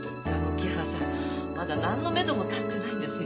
木原さんまだ何のめども立ってないんですよ。